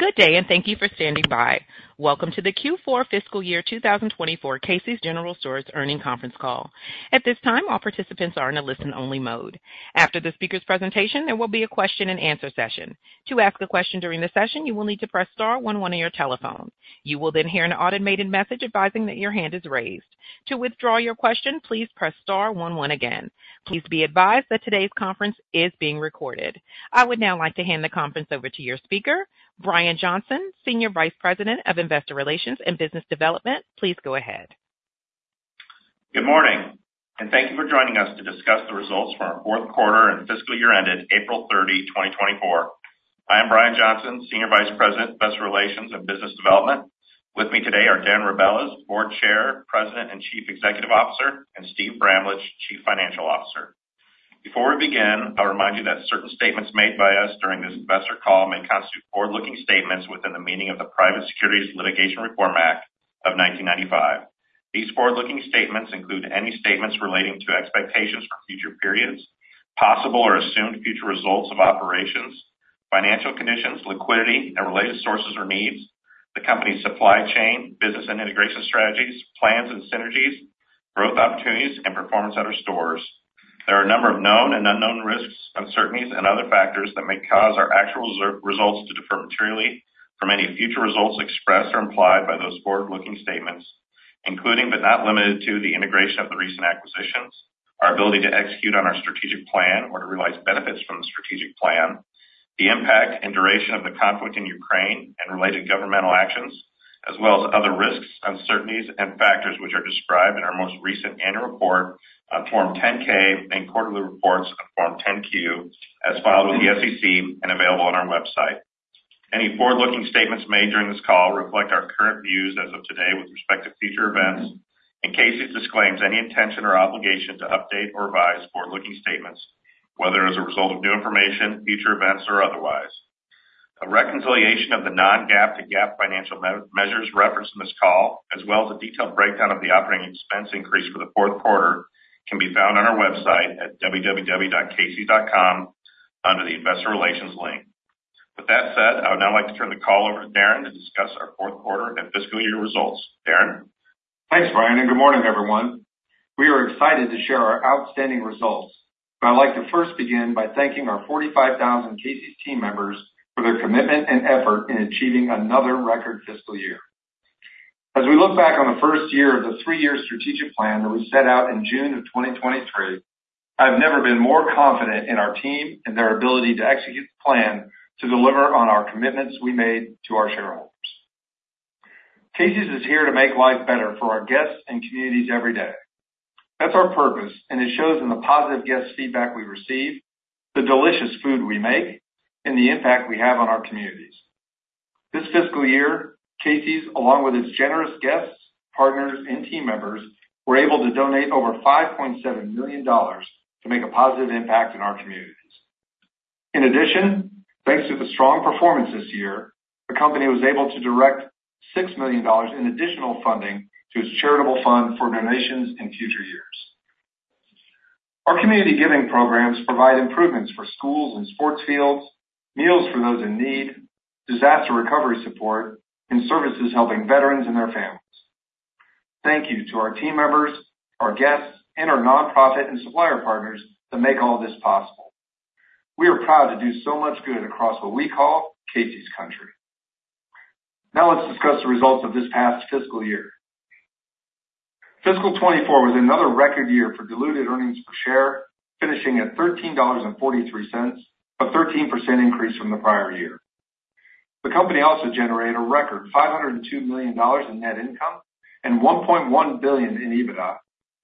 Good day, and thank you for standing by. Welcome to the Q4 fiscal year 2024 Casey's General Stores earnings conference call. At this time, all participants are in a listen-only mode. After the speaker's presentation, there will be a question-and-answer session. To ask a question during the session, you will need to press star one one on your telephone. You will then hear an automated message advising that your hand is raised. To withdraw your question, please press star one one again. Please be advised that today's conference is being recorded. I would now like to hand the conference over to your speaker, Brian Johnson, Senior Vice President of Investor Relations and Business Development. Please go ahead. Good morning, and thank you for joining us to discuss the results for our fourth quarter and fiscal year ended April 30, 2024. I am Brian Johnson, Senior Vice President, Investor Relations and Business Development. With me today are Darren Rebelez, Board Chair, President, and Chief Executive Officer, and Steve Bramlage, Chief Financial Officer. Before we begin, I'll remind you that certain statements made by us during this investor call may constitute forward-looking statements within the meaning of the Private Securities Litigation Reform Act of 1995. These forward-looking statements include any statements relating to expectations for future periods, possible or assumed future results of operations, financial conditions, liquidity and related sources or needs, the company's supply chain, business and integration strategies, plans and synergies, growth opportunities, and performance at our stores. There are a number of known and unknown risks, uncertainties, and other factors that may cause our actual results to differ materially from any future results expressed or implied by those forward-looking statements, including, but not limited to, the integration of the recent acquisitions, our ability to execute on our strategic plan or to realize benefits from the strategic plan, the impact and duration of the conflict in Ukraine and related governmental actions, as well as other risks, uncertainties and factors which are described in our most recent annual report on Form 10-K and quarterly reports on Form 10-Q, as filed with the SEC and available on our website. Any forward-looking statements made during this call reflect our current views as of today with respect to future events, and Casey's disclaims any intention or obligation to update or revise forward-looking statements, whether as a result of new information, future events, or otherwise. A reconciliation of the non-GAAP to GAAP financial measures referenced in this call, as well as a detailed breakdown of the operating expense increase for the fourth quarter, can be found on our website at www.caseys.com under the Investor Relations link. With that said, I would now like to turn the call over to Darren to discuss our fourth quarter and fiscal year results. Darren? Thanks, Brian, and good morning, everyone. We are excited to share our outstanding results, but I'd like to first begin by thanking our 45,000 Casey's team members for their commitment and effort in achieving another record fiscal year. As we look back on the first year of the three-year strategic plan that was set out in June of 2023, I've never been more confident in our team and their ability to execute the plan to deliver on our commitments we made to our shareholders. Casey's is here to make life better for our guests and communities every day. That's our purpose, and it shows in the positive guest feedback we receive, the delicious food we make, and the impact we have on our communities. This fiscal year, Casey's, along with its generous guests, partners, and team members, were able to donate over $5.7 million to make a positive impact in our communities. In addition, thanks to the strong performance this year, the company was able to direct $6 million in additional funding to its charitable fund for donations in future years. Our community giving programs provide improvements for schools and sports fields, meals for those in need, disaster recovery support, and services helping veterans and their families. Thank you to our team members, our guests, and our nonprofit and supplier partners that make all this possible. We are proud to do so much good across what we call Casey's Country. Now, let's discuss the results of this past fiscal year. Fiscal 2024 was another record year for diluted earnings per share, finishing at $13.43, a 13% increase from the prior year. The company also generated a record $502 million in net income and $1.1 billion in EBITDA,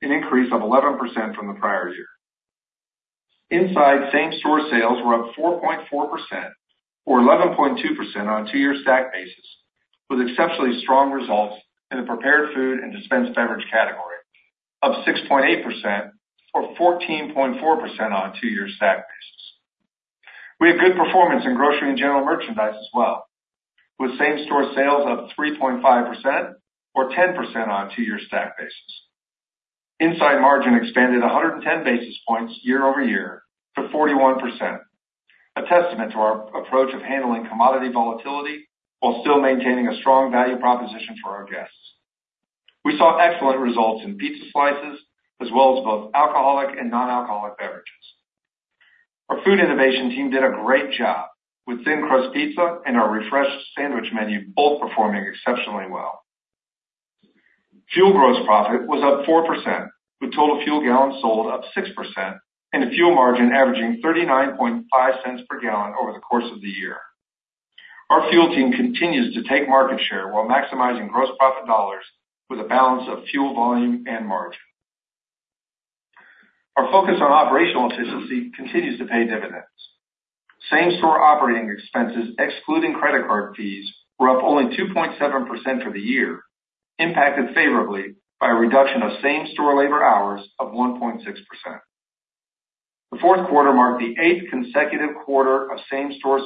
an increase of 11% from the prior year. Inside same-store sales were up 4.4% or 11.2% on a two-year stack basis, with exceptionally strong results in the prepared food and dispensed beverage category of 6.8% or 14.4% on a two-year stack basis. We had good performance in grocery and general merchandise as well, with same-store sales up 3.5% or 10% on a two-year stack basis. Inside margin expanded 110 basis points year-over-year to 41%, a testament to our approach of handling commodity volatility while still maintaining a strong value proposition for our guests. We saw excellent results in pizza slices as well as both alcoholic and non-alcoholic beverages. Our food innovation team did a great job, with thin crust pizza and our refreshed sandwich menu both performing exceptionally well. Fuel gross profit was up 4%, with total fuel gallons sold up 6% and a fuel margin averaging 39.5 cents per gallon over the course of the year. Our fuel team continues to take market share while maximizing gross profit dollars with a balance of fuel volume and margin. Our focus on operational efficiency continues to pay dividends. Same-store operating expenses, excluding credit card fees, were up only 2.7% for the year, impacted favorably by a reduction of same-store labor hours of 1.6%. The fourth quarter marked the 8th consecutive quarter of same-store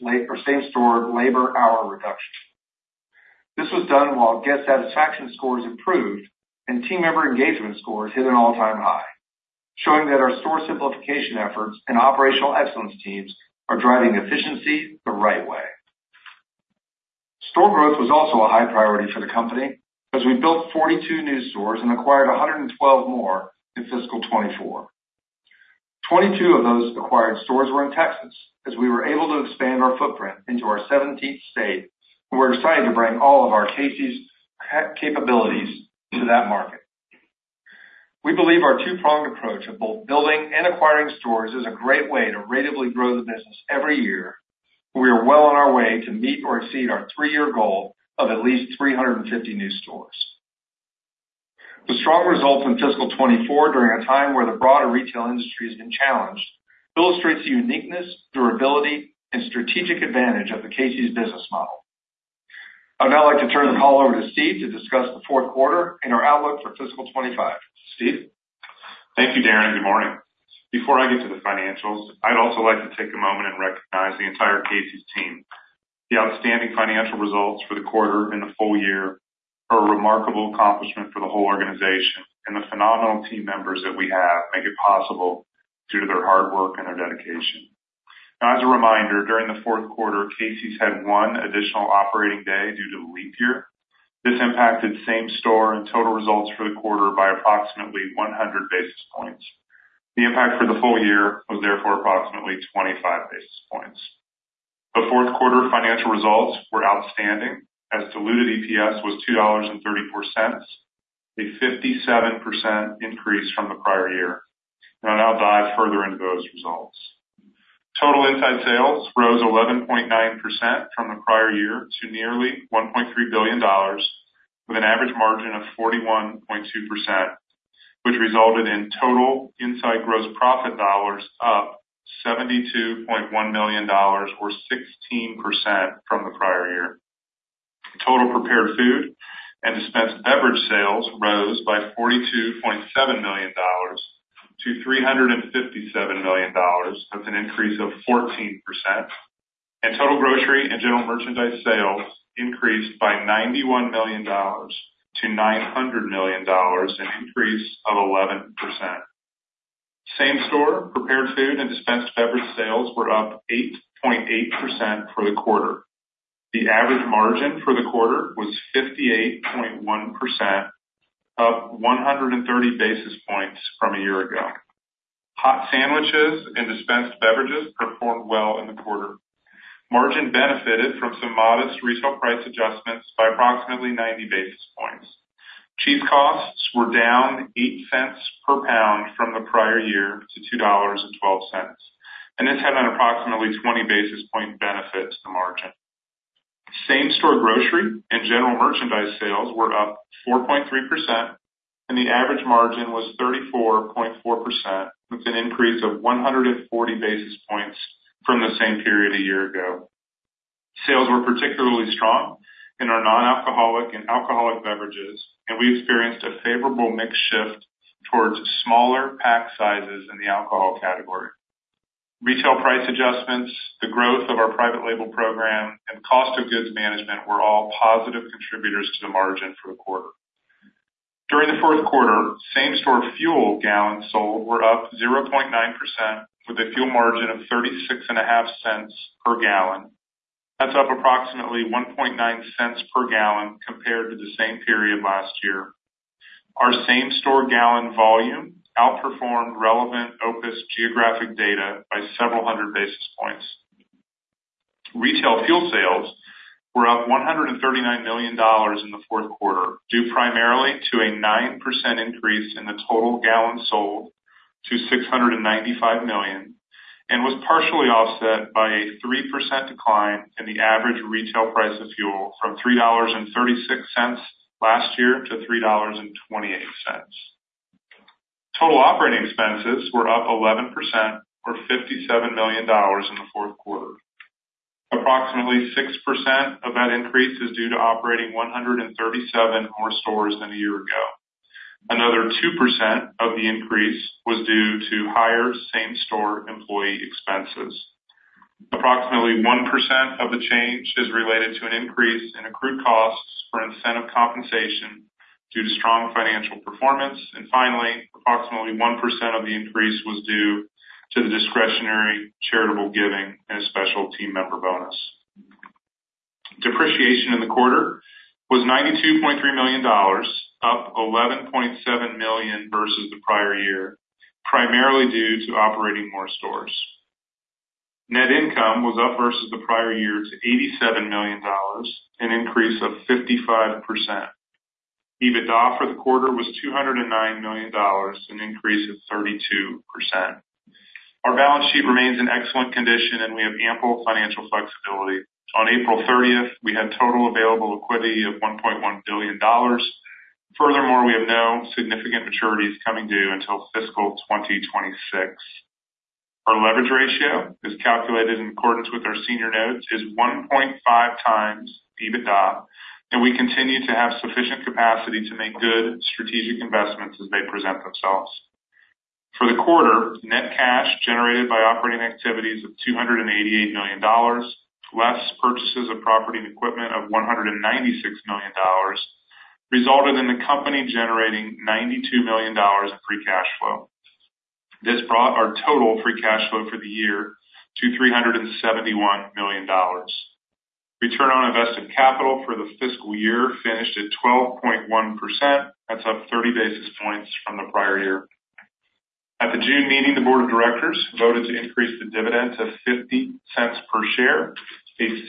labor hour reduction. This was done while guest satisfaction scores improved and team member engagement scores hit an all-time high, showing that our store simplification efforts and operational excellence teams are driving efficiency the right way. Store growth was also a high priority for the company as we built 42 new stores and acquired 112 more in fiscal 2024. 22 of those acquired stores were in Texas, as we were able to expand our footprint into our 17th state, and we're excited to bring all of our Casey's capabilities to that market. We believe our two-pronged approach of both building and acquiring stores is a great way to ratably grow the business every year, and we are well on our way to meet or exceed our three-year goal of at least 350 new stores. The strong results in fiscal 2024, during a time where the broader retail industry has been challenged, illustrates the uniqueness, durability, and strategic advantage of the Casey's business model. I'd now like to turn the call over to Steve to discuss the fourth quarter and our outlook for fiscal 2025. Steve? Thank you, Darren. Good morning. Before I get to the financials, I'd also like to take a moment and recognize the entire Casey's team. The outstanding financial results for the quarter and the full year are a remarkable accomplishment for the whole organization, and the phenomenal team members that we have make it possible due to their hard work and their dedication. Now, as a reminder, during the fourth quarter, Casey's had one additional operating day due to the leap year. This impacted same-store and total results for the quarter by approximately 100 basis points. The impact for the full year was therefore approximately 25 basis points. The fourth quarter financial results were outstanding, as diluted EPS was $2.34, a 57% increase from the prior year. Now I'll dive further into those results. Total inside sales rose 11.9% from the prior year to nearly $1.3 billion, with an average margin of 41.2%, which resulted in total inside gross profit dollars up $72.1 million or 16% from the prior year. Total prepared food and dispensed beverage sales rose by $42.7 million-$357 million, that's an increase of 14%, and total grocery and general merchandise sales increased by $91 million-$900 million, an increase of 11%. Same-store prepared food and dispensed beverage sales were up 8.8% for the quarter. The average margin for the quarter was 58.1%, up 130 basis points from a year ago. Hot sandwiches and dispensed beverages performed well in the quarter. Margin benefited from some modest retail price adjustments by approximately 90 basis points. Cheese costs were down 8 cents per pound from the prior year to $2.12, and this had an approximately 20 basis point benefit to the margin. Same store grocery and general merchandise sales were up 4.3%, and the average margin was 34.4%, with an increase of 140 basis points from the same period a year ago. Sales were particularly strong in our non-alcoholic and alcoholic beverages, and we experienced a favorable mix shift towards smaller pack sizes in the alcohol category. Retail price adjustments, the growth of our private label program, and cost of goods management were all positive contributors to the margin for the quarter. During the fourth quarter, same-store fuel gallons sold were up 0.9%, with a fuel margin of $36.5 per gallon. That's up approximately $1.9 per gallon compared to the same period last year. Our same-store gallon volume outperformed relevant OPIS geographic data by several hundred basis points. Retail fuel sales were up $139 million in the fourth quarter, due primarily to a 9% increase in the total gallons sold to 695 million, and was partially offset by a 3% decline in the average retail price of fuel from $3.36 last year to $3.28. Total operating expenses were up 11% or $57 million in the fourth quarter. Approximately 6% of that increase is due to operating 137 more stores than a year ago. Another 2% of the increase was due to higher same-store employee expenses. Approximately 1% of the change is related to an increase in accrued costs for incentive compensation due to strong financial performance. And finally, approximately 1% of the increase was due to the discretionary charitable giving and a special team member bonus. Depreciation in the quarter was $92.3 million, up $11.7 million versus the prior year, primarily due to operating more stores. Net income was up versus the prior year to $87 million, an increase of 55%. EBITDA for the quarter was $209 million, an increase of 32%. Our balance sheet remains in excellent condition, and we have ample financial flexibility. On April 30, we had total available equity of $1.1 billion. Furthermore, we have no significant maturities coming due until fiscal 2026. Our leverage ratio is calculated in accordance with our senior notes, is 1.5x EBITDA, and we continue to have sufficient capacity to make good strategic investments as they present themselves. For the quarter, net cash generated by operating activities of $288 million, less purchases of property and equipment of $196 million, resulted in the company generating $92 million in free cash flow. This brought our total free cash flow for the year to $371 million. Return on invested capital for the fiscal year finished at 12.1%. That's up 30 basis points from the prior year. At the June meeting, the board of directors voted to increase the dividend to $0.50 per share, a 16%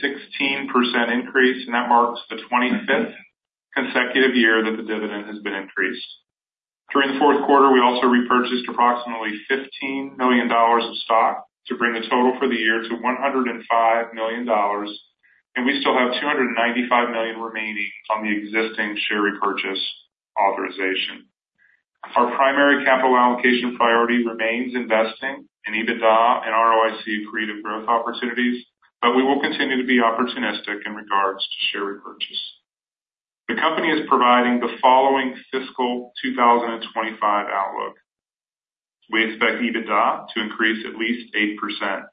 increase, and that marks the 25th consecutive year that the dividend has been increased. During the fourth quarter, we also repurchased approximately $15 million of stock to bring the total for the year to $105 million, and we still have $295 million remaining on the existing share repurchase authorization. Our primary capital allocation priority remains investing in EBITDA- and ROIC-accretive growth opportunities, but we will continue to be opportunistic in regards to share repurchase. The company is providing the following fiscal 2025 outlook: We expect EBITDA to increase at least 8%.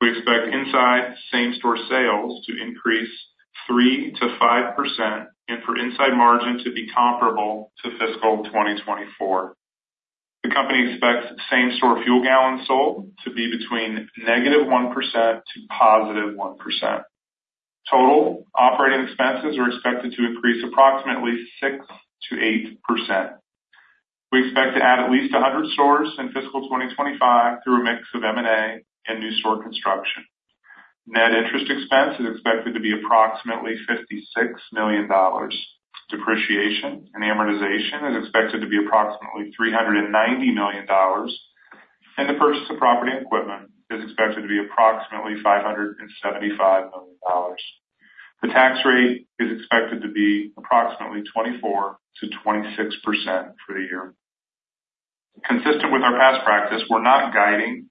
We expect inside same-store sales to increase 3%-5% and for inside margin to be comparable to fiscal 2024. The company expects same-store fuel gallons sold to be between -1% to +1%. Total operating expenses are expected to increase approximately 6%-8%. We expect to add at least 100 stores in fiscal 2025 through a mix of M&A and new store construction. Net interest expense is expected to be approximately $56 million. Depreciation and amortization is expected to be approximately $390 million, and the purchase of property and equipment is expected to be approximately $575 million. The tax rate is expected to be approximately 24%-26% for the year. Consistent with our past practice, we're not guiding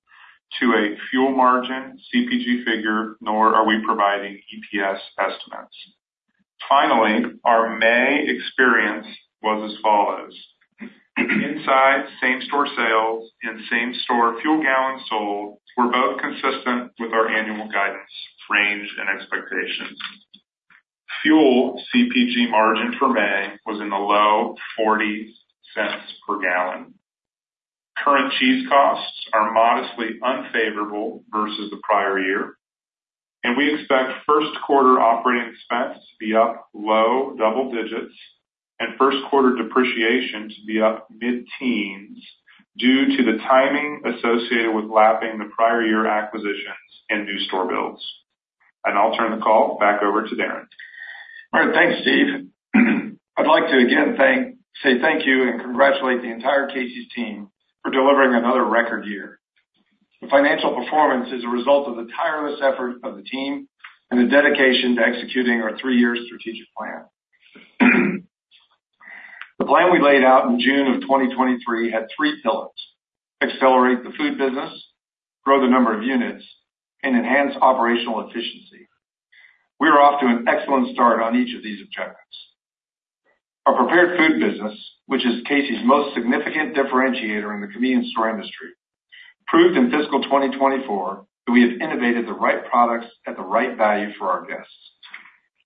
to a fuel margin CPG figure, nor are we providing EPS estimates. Finally, our May experience was as follows: inside same-store sales and same-store fuel gallons sold were both consistent with our annual guidance, range, and expectations. Fuel CPG margin for May was in the low $40 per gallon. Current cheese costs are modestly unfavorable versus the prior year, and we expect first quarter operating expense to be up low double digits and first quarter depreciation to be up mid-teens due to the timing associated with lapping the prior year acquisitions and new store builds. And I'll turn the call back over to Darren. All right, thanks, Steve. I'd like to again thank you and congratulate the entire Casey's team for delivering another record year. The financial performance is a result of the tireless effort of the team and the dedication to executing our three-year strategic plan. The plan we laid out in June 2023 had three pillars: accelerate the food business, grow the number of units, and enhance operational efficiency. We are off to an excellent start on each of these objectives. Our prepared food business, which is Casey's most significant differentiator in the convenience store industry, proved in fiscal 2024 that we have innovated the right products at the right value for our guests.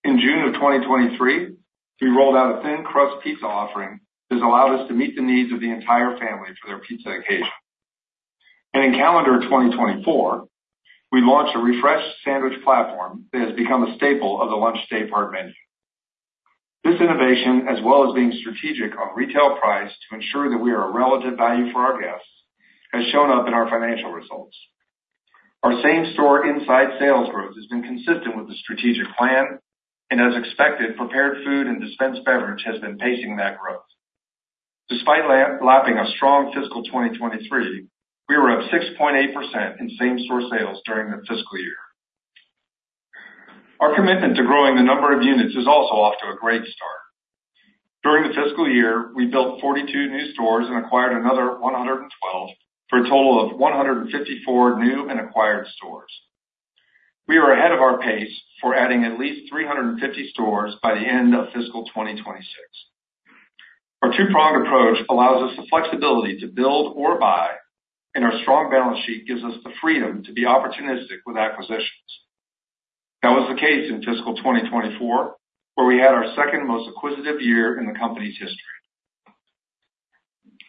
In June 2023, we rolled out a thin crust pizza offering that has allowed us to meet the needs of the entire family for their pizza occasion. In calendar 2024, we launched a refreshed sandwich platform that has become a staple of the lunch daypart menu. This innovation, as well as being strategic on retail price to ensure that we are a relative value for our guests, has shown up in our financial results. Our same-store inside sales growth has been consistent with the strategic plan, and as expected, prepared food and dispensed beverage has been pacing that growth. Despite lapping a strong fiscal 2023, we were up 6.8% in same-store sales during the fiscal year. Our commitment to growing the number of units is also off to a great start. During the fiscal year, we built 42 new stores and acquired another 112, for a total of 154 new and acquired stores. We are ahead of our pace for adding at least 350 stores by the end of fiscal 2026. Our two-pronged approach allows us the flexibility to build or buy, and our strong balance sheet gives us the freedom to be opportunistic with acquisitions. That was the case in fiscal 2024, where we had our second most acquisitive year in the company's history.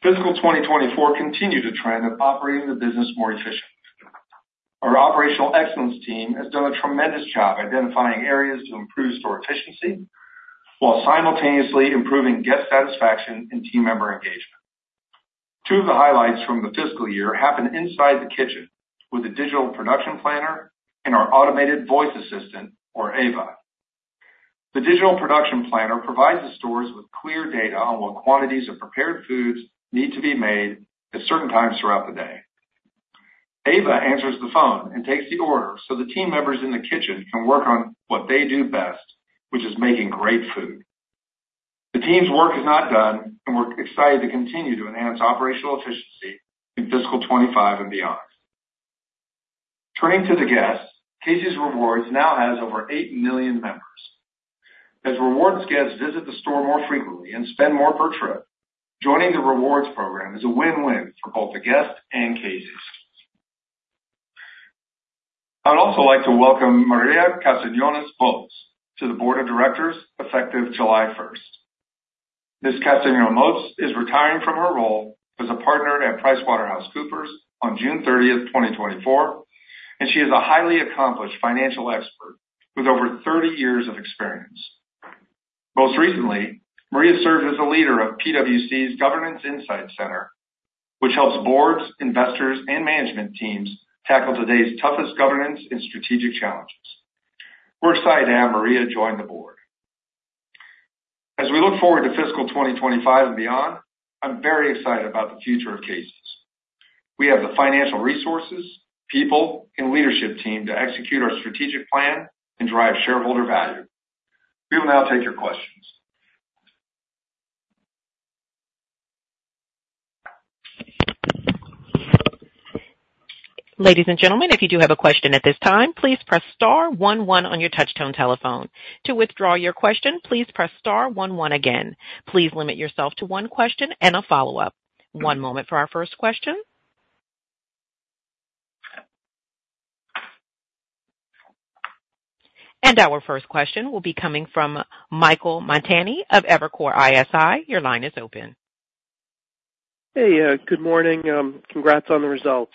Fiscal 2024 continued a trend of operating the business more efficiently. Our operational excellence team has done a tremendous job identifying areas to improve store efficiency while simultaneously improving guest satisfaction and team member engagement. Two of the highlights from the fiscal year happened inside the kitchen, with a digital production planner and our automated voice assistant, or AVA. The digital production planner provides the stores with clear data on what quantities of prepared foods need to be made at certain times throughout the day. AVA answers the phone and takes the order so the team members in the kitchen can work on what they do best, which is making great food. The team's work is not done, and we're excited to continue to enhance operational efficiency in fiscal 2025 and beyond. Turning to the guests, Casey's Rewards now has over eight million members. As rewards guests visit the store more frequently and spend more per trip, joining the rewards program is a win-win for both the guest and Casey's. I would also like to welcome Maria Castañón Moats to the board of directors, effective July 1st. Ms. Moats is retiring from her role as a partner at PricewaterhouseCoopers on June 30th 2024, and she is a highly accomplished financial expert with over 30 years of experience. Most recently, Maria served as the leader of PwC's Governance Insight Center, which helps boards, investors, and management teams tackle today's toughest governance and strategic challenges. We're excited to have Maria join the board. As we look forward to fiscal 2025 and beyond, I'm very excited about the future of Casey's. We have the financial resources, people, and leadership team to execute our strategic plan and drive shareholder value. We will now take your questions. Ladies and gentlemen, if you do have a question at this time, please press star one one on your touchtone telephone. To withdraw your question, please press star one one again. Please limit yourself to one question and a follow-up. One moment for our first question. Our first question will be coming from Michael Montani of Evercore ISI. Your line is open. Hey, good morning. Congrats on the results.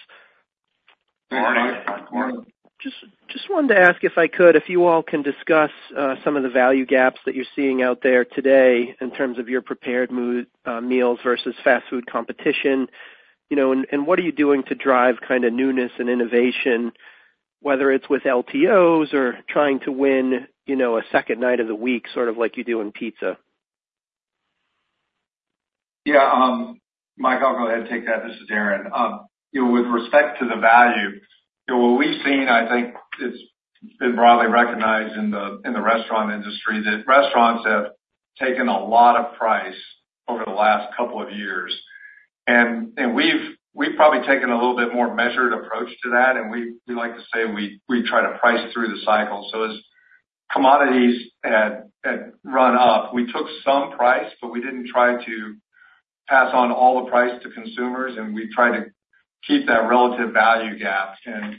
Good morning. Good morning. Just wanted to ask if you all can discuss some of the value gaps that you're seeing out there today in terms of your prepared food versus fast food competition. You know, and what are you doing to drive kind of newness and innovation, whether it's with LTOs or trying to win, you know, a second night of the week, sort of like you do in pizza? Yeah, Mike, I'll go ahead and take that. This is Darren. You know, with respect to the value, you know, what we've seen, I think it's been broadly recognized in the, in the restaurant industry, that restaurants have taken a lot of price over the last couple of years. And we've probably taken a little bit more measured approach to that, and we like to say we try to price through the cycle. So as commodities had run up, we took some price, but we didn't try to pass on all the price to consumers, and we tried to keep that relative value gap. And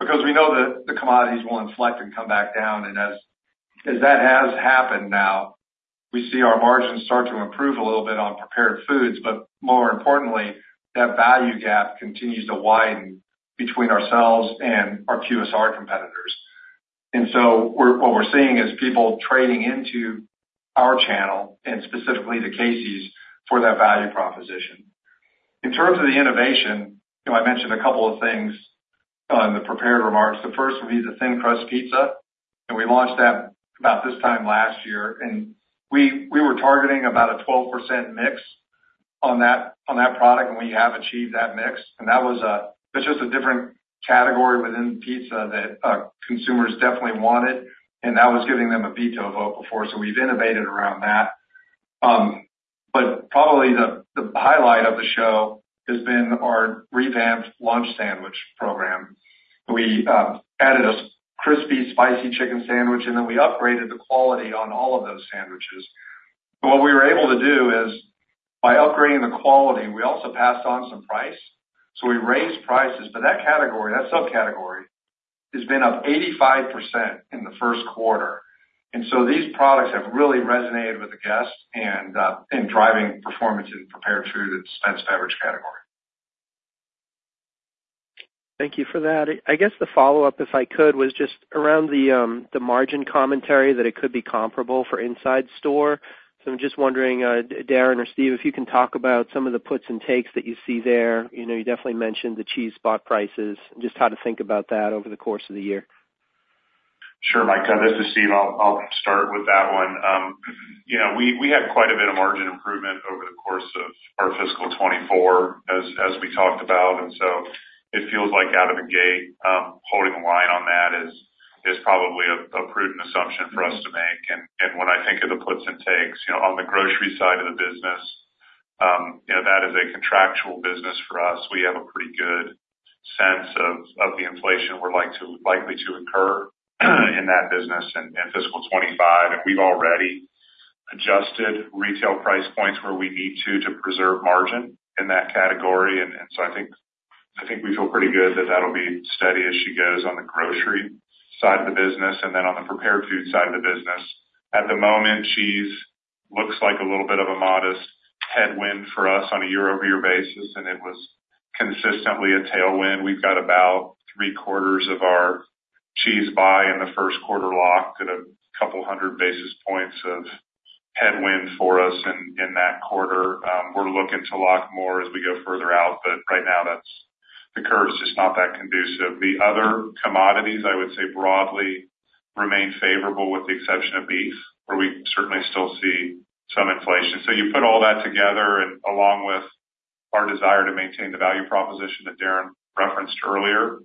because we know that the commodities will inflect and come back down, and as, as that has happened now, we see our margins start to improve a little bit on prepared foods, but more importantly, that value gap continues to widen between ourselves and our QSR competitors. And so we're what we're seeing is people trading into our channel, and specifically the Casey's, for that value proposition. In terms of the innovation, you know, I mentioned a couple of things in the prepared remarks. The first would be the thin crust pizza, and we launched that about this time last year, and we were targeting about a 12% mix on that, on that product, and we have achieved that mix. And that was, it's just a different category within pizza that consumers definitely wanted, and that was giving them a veto vote before, so we've innovated around that. But probably the, the highlight of the show has been our revamped lunch sandwich program. We added a crispy, spicy chicken sandwich, and then we upgraded the quality on all of those sandwiches. But what we were able to do is, by upgrading the quality, we also passed on some price, so we raised prices. But that category, that subcategory, has been up 85% in the first quarter. And so these products have really resonated with the guests and in driving performance in prepared food and snacks average category. Thank you for that. I guess the follow-up, if I could, was just around the, the margin commentary, that it could be comparable for inside store. So I'm just wondering, Darren or Steve, if you can talk about some of the puts and takes that you see there. You know, you definitely mentioned the cheese spot prices, just how to think about that over the course of the year. Sure, Mike, this is Steve. I'll, I'll start with that one. You know, we, we had quite a bit of margin improvement over the course of our fiscal 2024, as, as we talked about, and so it feels like out of the gate, holding the line on that is, is probably a prudent assumption for us to make. And, and when I think of the puts and takes, you know, on the grocery side of the business, you know, that is a contractual business for us. We have a pretty good sense of the inflation we're likely to incur in that business in fiscal 2025. And we've already adjusted retail price points where we need to, to preserve margin in that category. I think we feel pretty good that that'll be steady as she goes on the grocery side of the business. And then on the prepared food side of the business, at the moment, cheese looks like a little bit of a modest headwind for us on a year-over-year basis, and it was consistently a tailwind. We've got about three quarters of our cheese buy in the first quarter lock at a couple hundred basis points of headwind for us in that quarter. We're looking to lock more as we go further out, but right now, that's the curve's just not that conducive. The other commodities, I would say, broadly remain favorable with the exception of beef, where we certainly still see some inflation. So you put all that together and along with our desire to maintain the value proposition that Darren referenced earlier,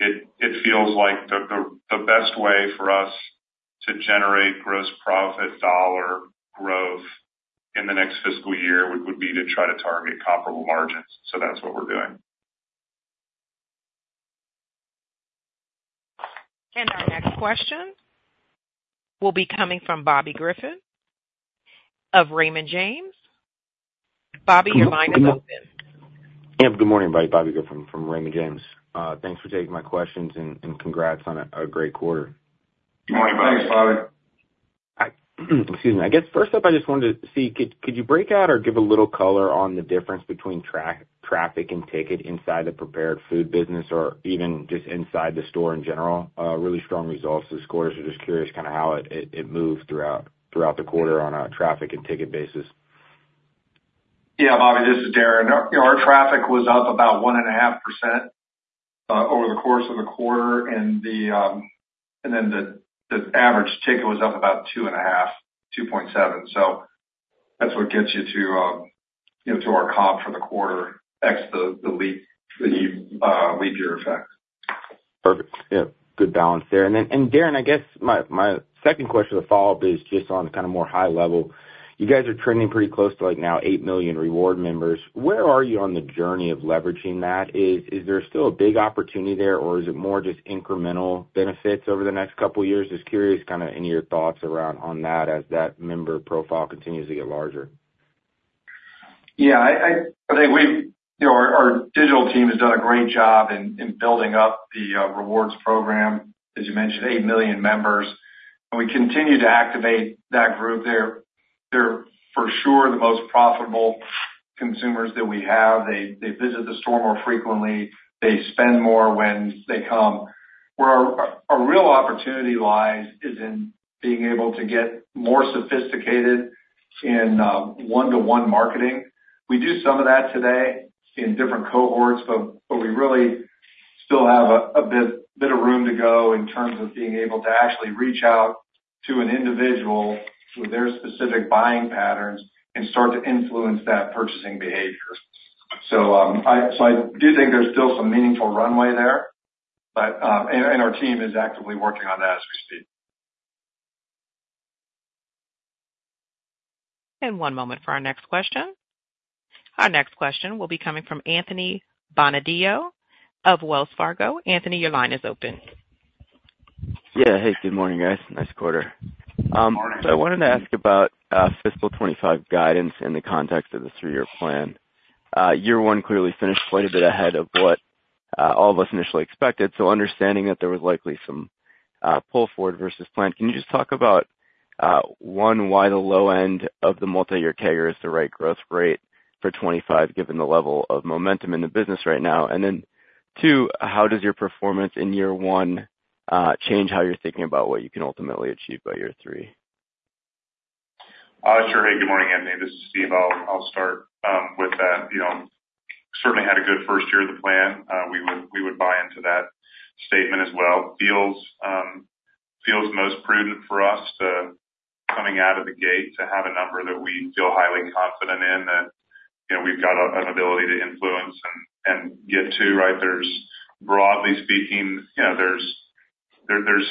it feels like the best way for us-... to generate gross profit dollar growth in the next fiscal year would be to try to target comparable margins. So that's what we're doing. Our next question will be coming from Bobby Griffin of Raymond James. Bobby, your line is open. Yeah, good morning, everybody. Bobby Griffin from Raymond James. Thanks for taking my questions and congrats on a great quarter. Good morning, Bobby. Thanks, Bobby. Excuse me. I guess, first up, I just wanted to see, could you break out or give a little color on the difference between traffic and ticket inside the prepared food business, or even just inside the store in general? Really strong results this quarter, so just curious kind of how it moved throughout the quarter on a traffic and ticket basis. Yeah, Bobby, this is Darren. Our traffic was up about 1.5% over the course of the quarter, and then the average ticket was up about 2.5, 2.7. So that's what gets you to, you know, to our comp for the quarter X the leap year effect. Perfect. Yeah, good balance there. And then, Darren, I guess my second question or follow-up is just on kind of more high level. You guys are trending pretty close to like now 8 million reward members. Where are you on the journey of leveraging that? Is there still a big opportunity there, or is it more just incremental benefits over the next couple of years? Just curious, kind of any of your thoughts around on that as that member profile continues to get larger. Yeah, I think we've— You know, our digital team has done a great job in building up the rewards program. As you mentioned, 8 million members, and we continue to activate that group. They're for sure the most profitable consumers that we have. They visit the store more frequently, they spend more when they come. Where our real opportunity lies is in being able to get more sophisticated in one-to-one marketing. We do some of that today in different cohorts, but we really still have a bit of room to go in terms of being able to actually reach out to an individual with their specific buying patterns and start to influence that purchasing behavior. So, I do think there's still some meaningful runway there, but... Our team is actively working on that as we speak. One moment for our next question. Our next question will be coming from Anthony Bonadio of Wells Fargo. Anthony, your line is open. Yeah. Hey, good morning, guys. Nice quarter. Good morning. So I wanted to ask about fiscal 2025 guidance in the context of the three-year plan. Year one clearly finished quite a bit ahead of what all of us initially expected, so understanding that there was likely some pull forward versus plan, can you just talk about 1, why the low end of the multiyear target is the right growth rate for 2025, given the level of momentum in the business right now? And then, two, how does your performance in year 1 change how you're thinking about what you can ultimately achieve by year three? Sure. Hey, good morning, Anthony. This is Steve. I'll start with that. You know, certainly had a good first year of the plan. We would buy into that statement as well. Feels most prudent for us to coming out of the gate, to have a number that we feel highly confident in, that, you know, we've got an ability to influence and get to, right? There's broadly speaking, you know, there's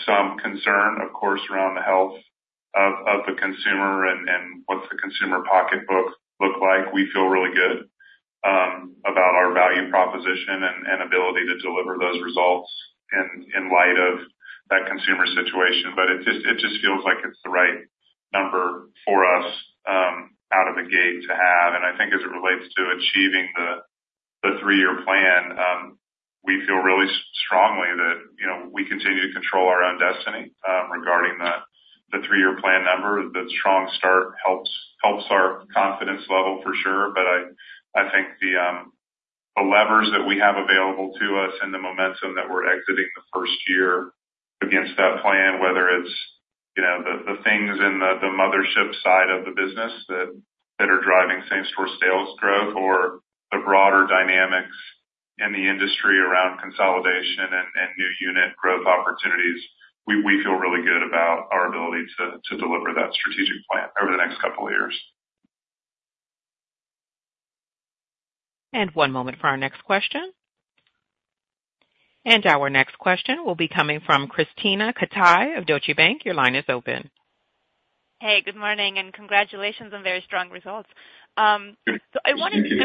some concern, of course, around the health of the consumer and what's the consumer pocketbook look like. We feel really good about our value proposition and ability to deliver those results in light of that consumer situation. But it just feels like it's the right number for us out of the gate to have. I think as it relates to achieving the three-year plan, we feel really strongly that, you know, we continue to control our own destiny regarding the three-year plan number. The strong start helps our confidence level for sure, but I think the levers that we have available to us and the momentum that we're exiting the first year against that plan, whether it's, you know, the things in the mothership side of the business that are driving same store sales growth or the broader dynamics in the industry around consolidation and new unit growth opportunities, we feel really good about our ability to deliver that strategic plan over the next couple of years. One moment for our next question. Our next question will be coming from Krisztina Katai of Deutsche Bank. Your line is open. Hey, good morning, and congratulations on very strong results. So I wanted to,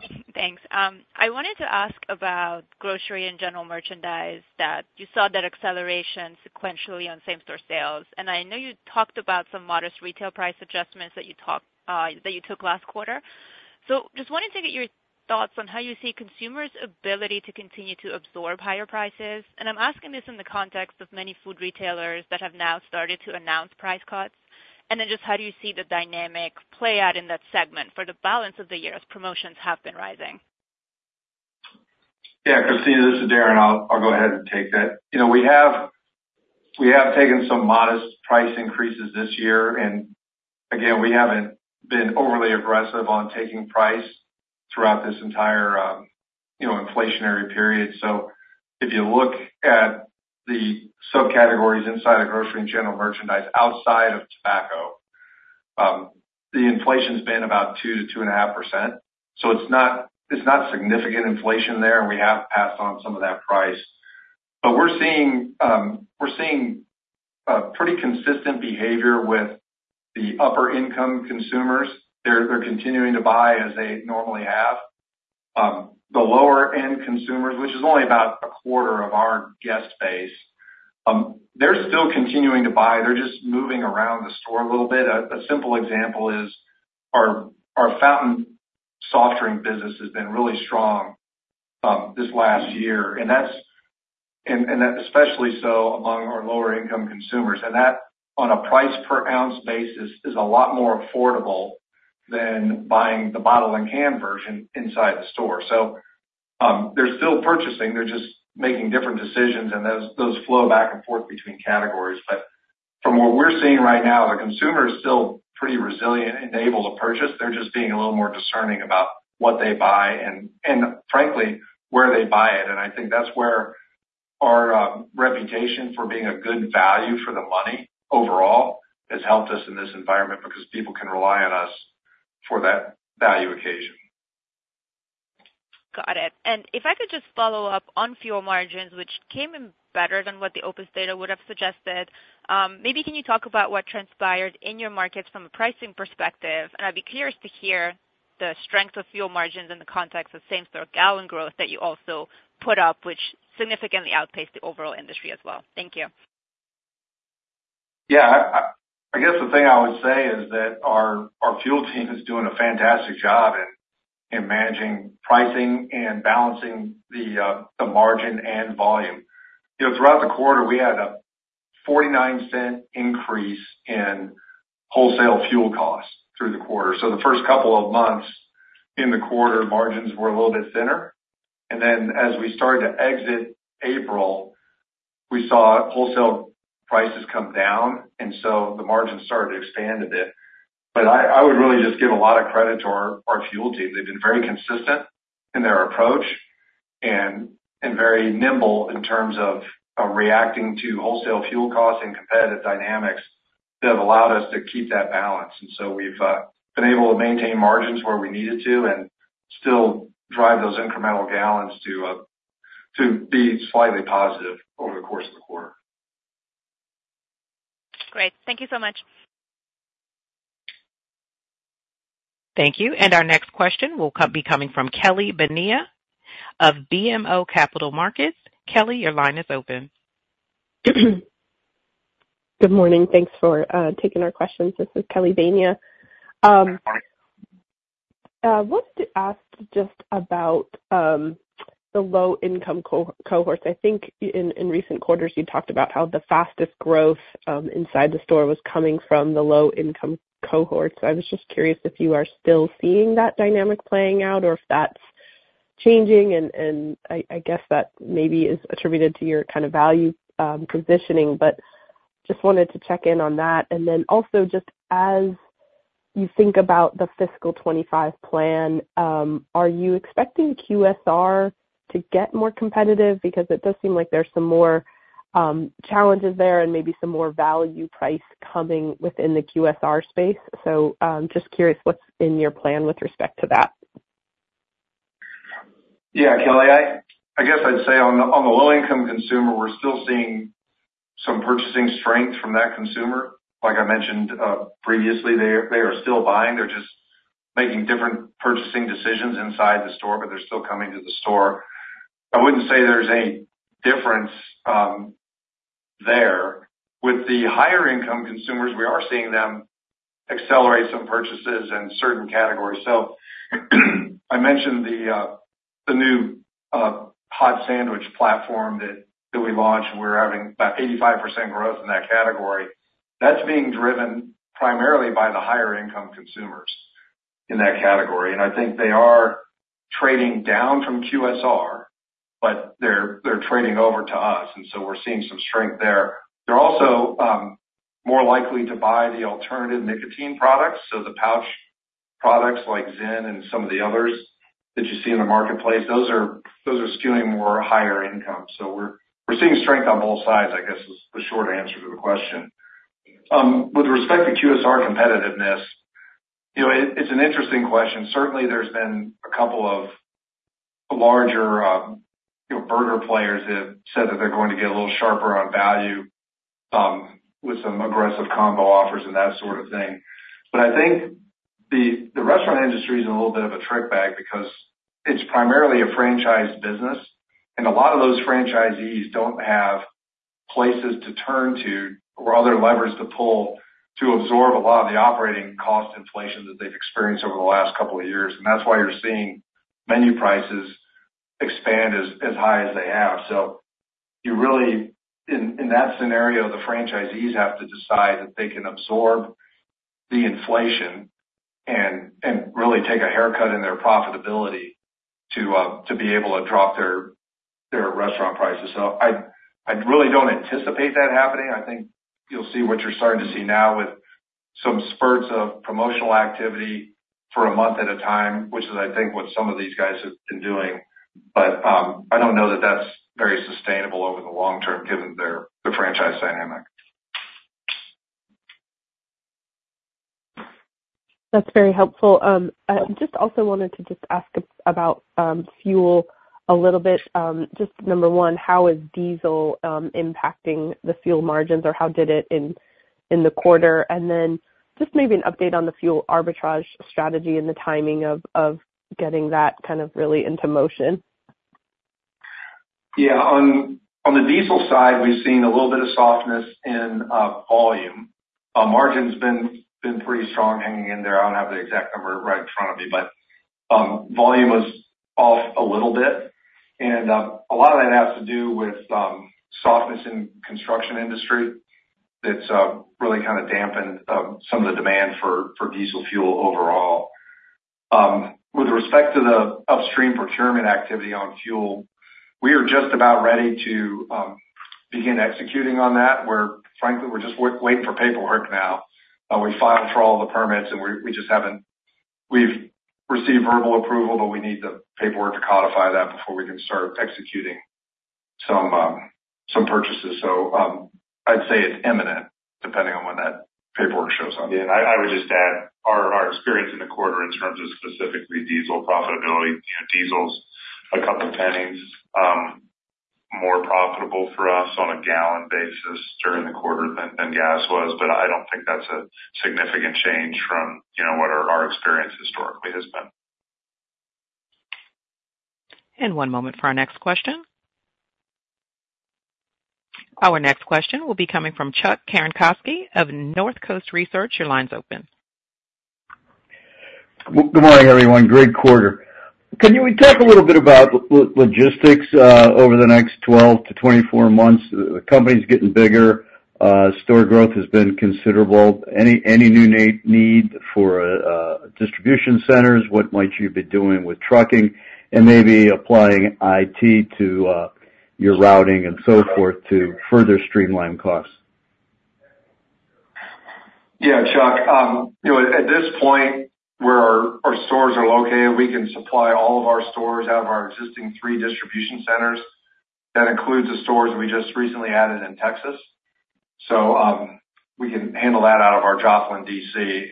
Thank you. Thanks. I wanted to ask about grocery and general merchandise, that you saw that acceleration sequentially on same store sales? And I know you talked about some modest retail price adjustments that you talked, that you took last quarter. So just wanted to get your thoughts on how you see consumers' ability to continue to absorb higher prices? And I'm asking this in the context of many food retailers that have now started to announce price cuts. And then just how do you see the dynamic play out in that segment for the balance of the year, as promotions have been rising? Yeah, Krisztina, this is Darren. I'll go ahead and take that. You know, we have taken some modest price increases this year, and again, we haven't been overly aggressive on taking price throughout this entire, you know, inflationary period. So if you look at the subcategories inside of grocery and general merchandise, outside of tobacco, the inflation's been about 2%-2.5%, so it's not significant inflation there, and we have passed on some of that price. But we're seeing pretty consistent behavior with the upper income consumers. They're continuing to buy as they normally have. The lower end consumers, which is only about a quarter of our guest base, they're still continuing to buy. They're just moving around the store a little bit. A simple example is our fountain soft drink business has been really strong this last year, and that's and especially so among our lower income consumers, and that, on a price per ounce basis, is a lot more affordable than buying the bottle and canned version inside the store. So, they're still purchasing, they're just making different decisions, and those flow back and forth between categories. But from what we're seeing right now, the consumer is still pretty resilient and able to purchase. They're just being a little more discerning about what they buy and frankly where they buy it. And I think that's where our reputation for being a good value for the money overall has helped us in this environment, because people can rely on us for that value occasion. Got it. And if I could just follow up on fuel margins, which came in better than what the OPIS data would have suggested. Maybe can you talk about what transpired in your markets from a pricing perspective? And I'd be curious to hear the strength of fuel margins in the context of same store gallon growth that you also put up, which significantly outpaced the overall industry as well. Thank you. Yeah, I guess the thing I would say is that our fuel team is doing a fantastic job in managing pricing and balancing the margin and volume. You know, throughout the quarter, we had a $0.49 increase in wholesale fuel costs through the quarter. So the first couple of months in the quarter, margins were a little bit thinner, and then as we started to exit April, we saw wholesale prices come down, and so the margins started to expand a bit. But I would really just give a lot of credit to our fuel team. They've been very consistent in their approach and very nimble in terms of reacting to wholesale fuel costs and competitive dynamics that have allowed us to keep that balance. And so we've been able to maintain margins where we needed to and still drive those incremental gallons to be slightly positive over the course of the quarter. Great. Thank you so much. Thank you. Our next question will be coming from Kelly Bania of BMO Capital Markets. Kelly, your line is open. Good morning. Thanks for taking our questions. This is Kelly Bania. Wanted to ask just about the low-income cohort. I think in recent quarters, you talked about how the fastest growth inside the store was coming from the low-income cohorts. I was just curious if you are still seeing that dynamic playing out or if that's changing, and I guess that maybe is attributed to your kind of value positioning? But just wanted to check in on that. And then also, just as you think about the fiscal 25 plan, are you expecting QSR to get more competitive? Because it does seem like there's some more challenges there and maybe some more value price coming within the QSR space. So, just curious what's in your plan with respect to that? Yeah, Kelly, I guess I'd say on the low income consumer, we're still seeing some purchasing strength from that consumer. Like I mentioned previously, they are still buying. They're just making different purchasing decisions inside the store, but they're still coming to the store. I wouldn't say there's a difference there. With the higher income consumers, we are seeing them accelerate some purchases in certain categories. So I mentioned the new hot sandwich platform that we launched, and we're having about 85% growth in that category. That's being driven primarily by the higher income consumers in that category, and I think they are trading down from QSR, but they're trading over to us, and so we're seeing some strength there. They're also more likely to buy the alternative nicotine products, so the pouch products like Zyn and some of the others that you see in the marketplace, those are, those are skewing more higher income. So we're, we're seeing strength on both sides, I guess, is the short answer to the question. With respect to QSR competitiveness, you know, it's an interesting question. Certainly, there's been a couple of larger, you know, burger players have said that they're going to get a little sharper on value, with some aggressive combo offers and that sort of thing. But I think the restaurant industry is a little bit of a trick bag because it's primarily a franchised business, and a lot of those franchisees don't have places to turn to or other levers to pull, to absorb a lot of the operating cost inflation that they've experienced over the last couple of years. And that's why you're seeing menu prices expand as high as they have. So you really, in that scenario, the franchisees have to decide if they can absorb the inflation and really take a haircut in their profitability to be able to drop their restaurant prices. So I really don't anticipate that happening. I think you'll see what you're starting to see now with some spurts of promotional activity for a month at a time, which is, I think, what some of these guys have been doing... I don't know that that's very sustainable over the long term, given the franchise dynamic. That's very helpful. I just also wanted to just ask about fuel a little bit. Just number one, how is diesel impacting the fuel margins, or how did it in the quarter? And then just maybe an update on the fuel arbitrage strategy and the timing of getting that kind of really into motion. Yeah. On the diesel side, we've seen a little bit of softness in volume. Margin's been pretty strong hanging in there. I don't have the exact number right in front of me, but volume was off a little bit, and a lot of that has to do with softness in construction industry. That's really kind of dampened some of the demand for diesel fuel overall. With respect to the upstream procurement activity on fuel, we are just about ready to begin executing on that. We're frankly just waiting for paperwork now. We filed for all the permits, and we just haven't. We've received verbal approval, but we need the paperwork to codify that before we can start executing some purchases. So, I'd say it's imminent, depending on when that paperwork shows up. Yeah, and I would just add, our experience in the quarter in terms of specifically diesel profitability, you know, diesel's a couple pennies more profitable for us on a gallon basis during the quarter than gas was, but I don't think that's a significant change from, you know, what our experience historically has been. One moment for our next question. Our next question will be coming from Chuck Cerankosky of Northcoast Research. Your line's open. Well, good morning, everyone. Great quarter. Can you talk a little bit about logistics over the next 12-24 months? The company's getting bigger, store growth has been considerable. Any new need for distribution centers? What might you be doing with trucking? Maybe applying IT to your routing and so forth to further streamline costs. Yeah, Chuck. You know, at this point, where our stores are located, we can supply all of our stores out of our existing three distribution centers. That includes the stores we just recently added in Texas. So, we can handle that out of our Joplin DC.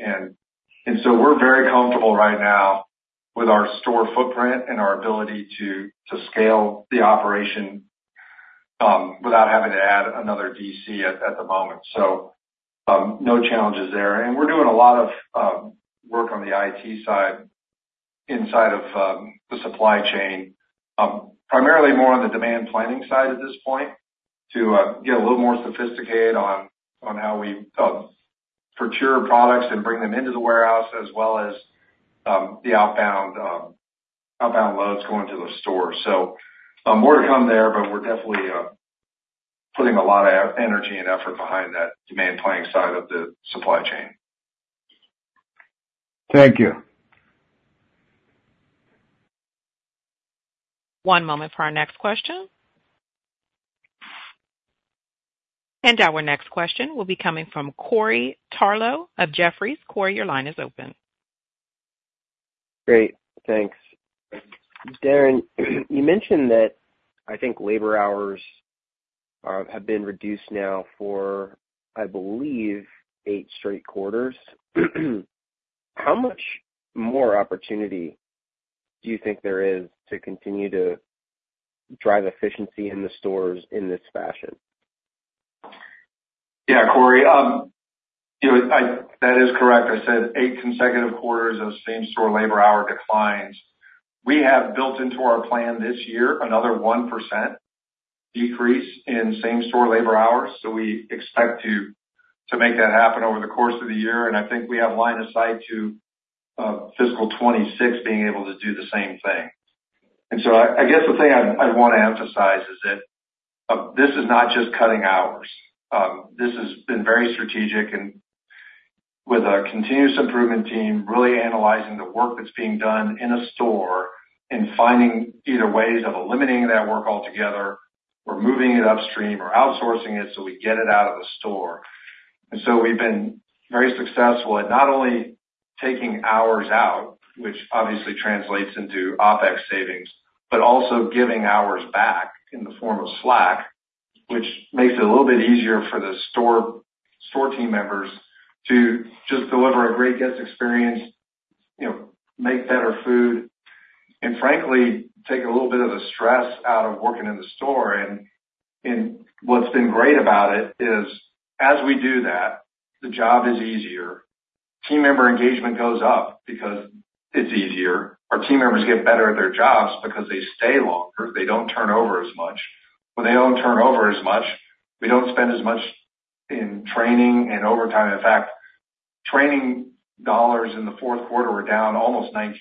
And so we're very comfortable right now with our store footprint and our ability to scale the operation without having to add another DC at the moment. So, no challenges there. And we're doing a lot of work on the IT side inside of the supply chain. Primarily more on the demand planning side at this point, to get a little more sophisticated on how we procure products and bring them into the warehouse, as well as the outbound outbound loads going to the store. So, more to come there, but we're definitely putting a lot of energy and effort behind that demand planning side of the supply chain. Thank you. One moment for our next question. Our next question will be coming from Corey Tarlowe of Jefferies. Corey, your line is open. Great, thanks. Darren, you mentioned that, I think, labor hours have been reduced now for, I believe, eight straight quarters. How much more opportunity do you think there is to continue to drive efficiency in the stores in this fashion? Yeah, Corey. You know, that is correct. I said eight consecutive quarters of same store labor hour declines. We have built into our plan this year, another 1% decrease in same store labor hours, so we expect to make that happen over the course of the year. And I think we have line of sight to fiscal 2026 being able to do the same thing. And so I guess the thing I want to emphasize is that this is not just cutting hours. This has been very strategic and with a continuous improvement team, really analyzing the work that's being done in a store and finding either ways of eliminating that work altogether or moving it upstream or outsourcing it, so we get it out of the store. And so we've been very successful at not only taking hours out, which obviously translates into OpEx savings, but also giving hours back in the form of slack, which makes it a little bit easier for the store, store team members to just deliver a great guest experience, you know, make better food, and frankly, take a little bit of the stress out of working in the store. And what's been great about it is, as we do that, the job is easier, team member engagement goes up because it's easier. Our team members get better at their jobs because they stay longer, they don't turn over as much. When they don't turn over as much, we don't spend as much in training and overtime. In fact, training dollars in the fourth quarter were down almost 19%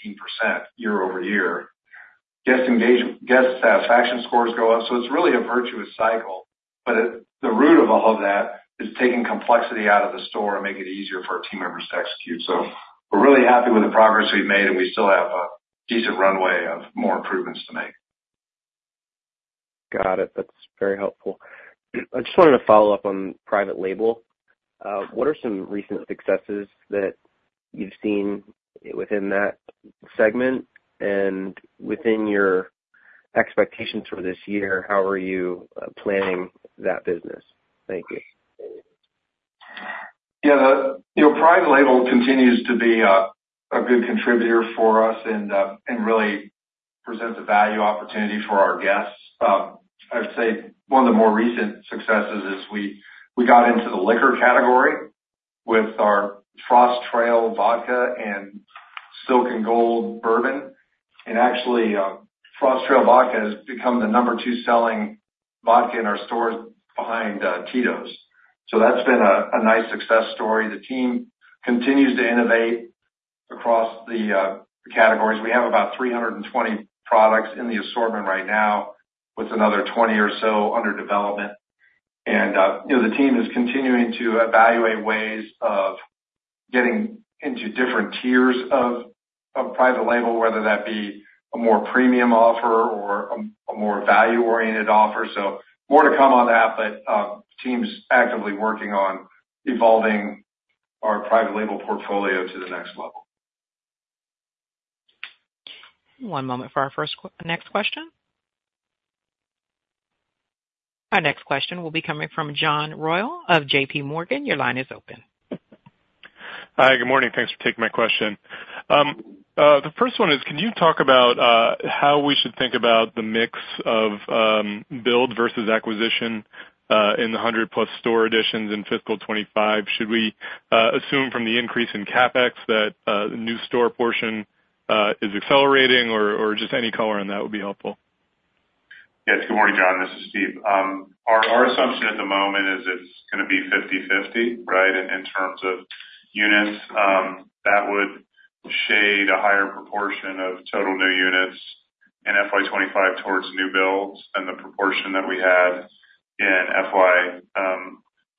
year-over-year. guest engagement, guest satisfaction scores go up, so it's really a virtuous cycle, but at the root of all of that is taking complexity out of the store and making it easier for our team members to execute. So we're really happy with the progress we've made, and we still have a decent runway of more improvements to make.... Got it. That's very helpful. I just wanted to follow up on private label. What are some recent successes that you've seen within that segment? And within your expectations for this year, how are you planning that business? Thank you. Yeah, the, you know, private label continues to be a good contributor for us and really presents a value opportunity for our guests. I'd say one of the more recent successes is we got into the liquor category with our Frost Trail vodka and Silk & Gold bourbon. And actually, Frost Trail vodka has become the number 2 selling vodka in our stores behind Tito's. So that's been a nice success story. The team continues to innovate across the categories. We have about 320 products in the assortment right now, with another 20 or so under development. And you know, the team is continuing to evaluate ways of getting into different tiers of private label, whether that be a more premium offer or a more value-oriented offer. More to come on that, but the team's actively working on evolving our private label portfolio to the next level. One moment for our first question. Our next question will be coming from John Royall of J.P. Morgan. Your line is open. Hi, good morning. Thanks for taking my question. The first one is, can you talk about how we should think about the mix of build versus acquisition in the 100-plus store additions in fiscal 2025? Should we assume from the increase in CapEx that the new store portion is accelerating, or just any color on that would be helpful? Yes. Good morning, John, this is Steve. Our, our assumption at the moment is it's gonna be 50/50, right, in, in terms of units. That would shade a higher proportion of total new units in FY 2025 towards new builds and the proportion that we had in FY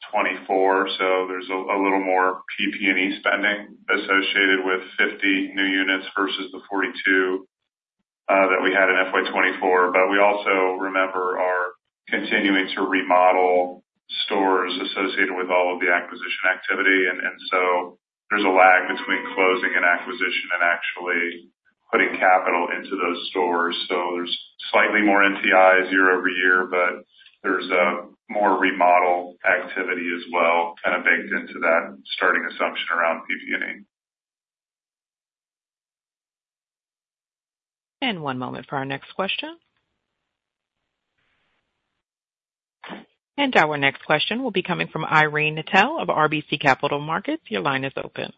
2024. So there's a, a little more PP&E spending associated with 50 new units versus the 42 that we had in FY 2024. But we also, remember, are continuing to remodel stores associated with all of the acquisition activity. And, and so there's a lag between closing an acquisition and actually putting capital into those stores. So there's slightly more NTI year-over-year, but there's more remodel activity as well, kind of baked into that starting assumption around PP&E. One moment for our next question. Our next question will be coming from Irene Nattel of RBC Capital Markets. Your line is open.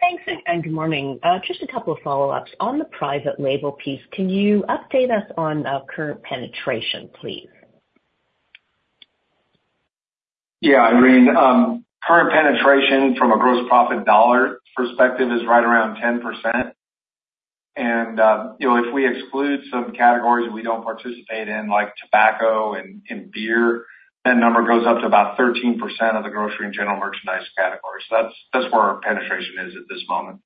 Thanks, and, and good morning. Just a couple of follow-ups. On the private label piece, can you update us on current penetration, please? Yeah, Irene, current penetration from a gross profit dollar perspective is right around 10%. And, you know, if we exclude some categories that we don't participate in, like tobacco and beer, that number goes up to about 13% of the grocery and general merchandise category. So that's where our penetration is at this moment.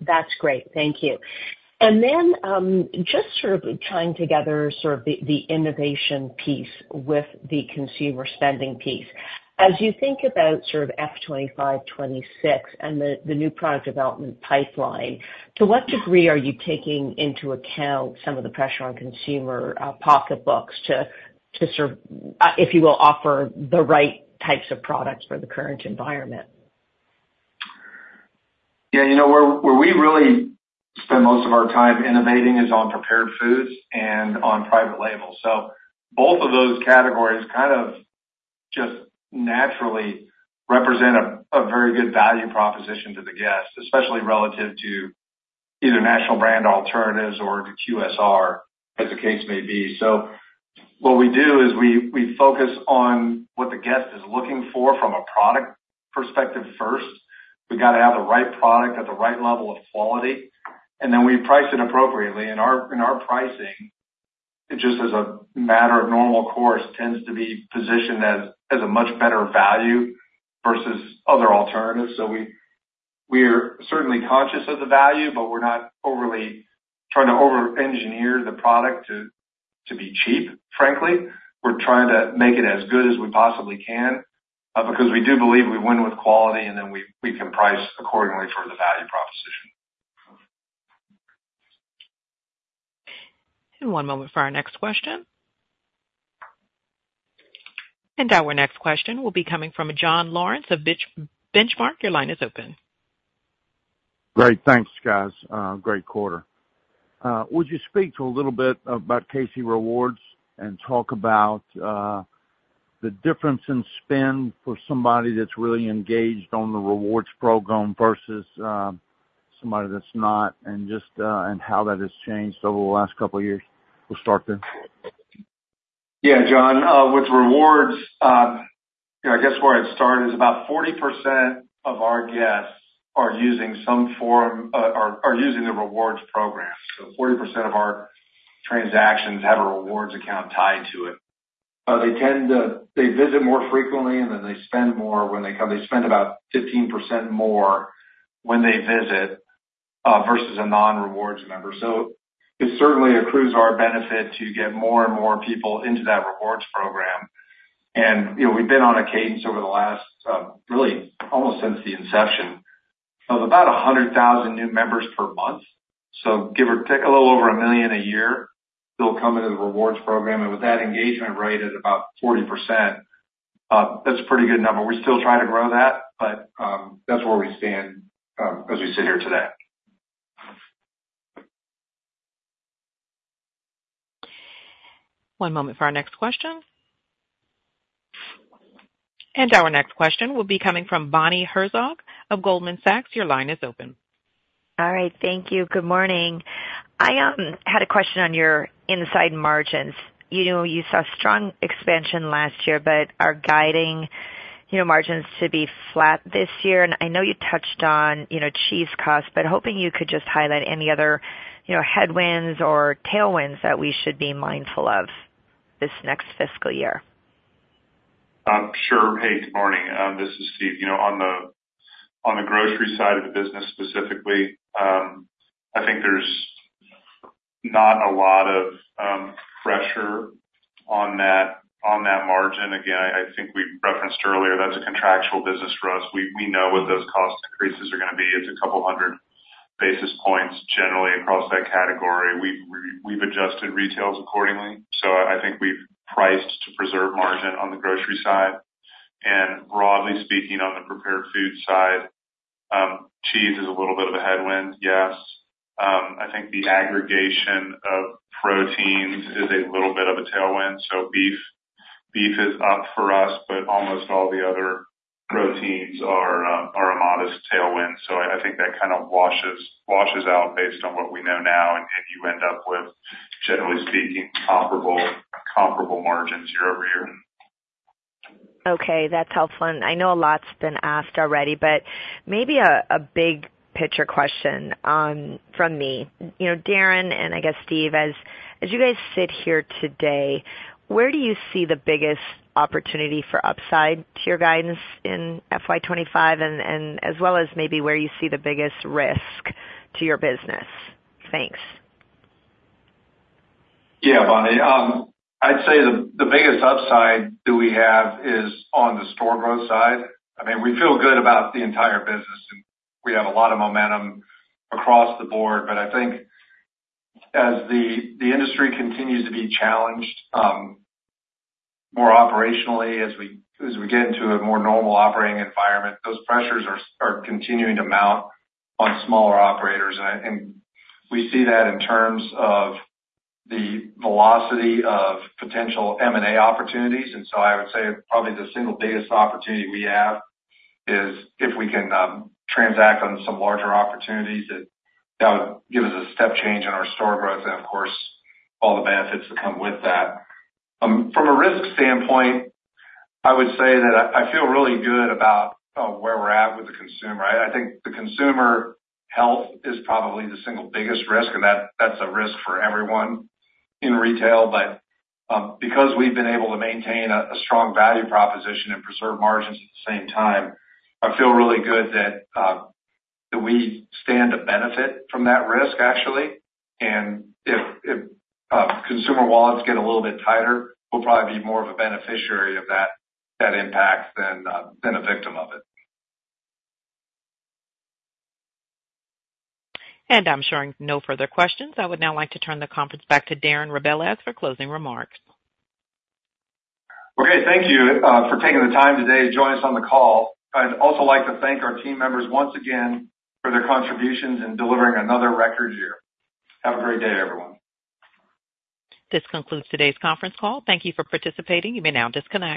That's great. Thank you. And then, just sort of tying together sort of the innovation piece with the consumer spending piece. As you think about sort of FY 2025, 2026, and the new product development pipeline, to what degree are you taking into account some of the pressure on consumer pocketbooks to sort of, if you will, offer the right types of products for the current environment? Yeah, you know, where we really spend most of our time innovating is on prepared foods and on private labels. So both of those categories kind of just naturally represent a very good value proposition to the guest, especially relative to either national brand alternatives or to QSR, as the case may be. So what we do is we focus on what the guest is looking for from a product perspective first. We've got to have the right product at the right level of quality, and then we price it appropriately. And our pricing, just as a matter of normal course, tends to be positioned as a much better value versus other alternatives. So we're certainly conscious of the value, but we're not overly trying to over-engineer the product to be cheap, frankly. We're trying to make it as good as we possibly can, because we do believe we win with quality, and then we can price accordingly for the value proposition. One moment for our next question. Our next question will be coming from John Lawrence of Benchmark. Your line is open. Great. Thanks, guys. Great quarter. Would you speak to a little bit about KC Rewards and talk about the difference in spend for somebody that's really engaged on the rewards program versus somebody that's not, and just and how that has changed over the last couple of years? We'll start there. Yeah, John, with rewards, you know, I guess where I'd start is about 40% of our guests are using some form, are using the rewards program. So 40% of our transactions have a rewards account tied to it. They tend to, they visit more frequently, and then they spend more when they come. They spend about 15% more when they visit, versus a non-rewards member. So it certainly accrues to our benefit to get more and more people into that rewards program. And, you know, we've been on a cadence over the last, really, almost since the inception, of about 100,000 new members per month. So give or take, a little over 1 million a year, they'll come into the rewards program, and with that engagement rate at about 40%, that's a pretty good number. We're still trying to grow that, but, that's where we stand, as we sit here today. One moment for our next question. Our next question will be coming from Bonnie Herzog of Goldman Sachs. Your line is open. All right. Thank you. Good morning. I had a question on your inside margins. You know, you saw strong expansion last year, but are guiding, you know, margins to be flat this year. And I know you touched on, you know, cheese costs, but hoping you could just highlight any other, you know, headwinds or tailwinds that we should be mindful of this next fiscal year. Sure. Hey, good morning, this is Steve. You know, on the, on the grocery side of the business specifically, I think there's not a lot of, pressure on that, on that margin. Again, I think we referenced earlier, that's a contractual business for us. We, we know what those cost increases are gonna be. It's a couple hundred basis points generally across that category. We've, we've adjusted retails accordingly, so I think we've priced to preserve margin on the grocery side. Broadly speaking, on the prepared food side, cheese is a little bit of a headwind, yes. I think the aggregation of proteins is a little bit of a tailwind. So beef, beef is up for us, but almost all the other proteins are, are a modest tailwind. So I think that kind of washes out based on what we know now, and you end up with, generally speaking, comparable margins year-over-year. Okay, that's helpful. And I know a lot's been asked already, but maybe a big picture question from me. You know, Darren, and I guess Steve, as you guys sit here today, where do you see the biggest opportunity for upside to your guidance in FY 25, and as well as maybe where you see the biggest risk to your business? Thanks. Yeah, Bonnie. I'd say the biggest upside that we have is on the store growth side. I mean, we feel good about the entire business, and we have a lot of momentum across the board. But I think as the industry continues to be challenged more operationally, as we get into a more normal operating environment, those pressures are continuing to mount on smaller operators. And we see that in terms of the velocity of potential M&A opportunities. And so I would say probably the single biggest opportunity we have is if we can transact on some larger opportunities, that would give us a step change in our store growth and, of course, all the benefits that come with that. From a risk standpoint, I would say that I feel really good about where we're at with the consumer. I think the consumer health is probably the single biggest risk, and that's a risk for everyone in retail. But because we've been able to maintain a strong value proposition and preserve margins at the same time, I feel really good that we stand to benefit from that risk, actually. And if consumer wallets get a little bit tighter, we'll probably be more of a beneficiary of that impact than a victim of it. I'm showing no further questions. I would now like to turn the conference back to Darren Rebelez for closing remarks. Okay, thank you, for taking the time today to join us on the call. I'd also like to thank our team members once again for their contributions in delivering another record year. Have a great day, everyone. This concludes today's conference call. Thank you for participating. You may now disconnect.